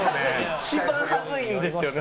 一番ハズいんですよね